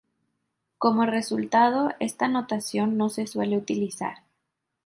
Como resultado, esta notación no se suele utilizar.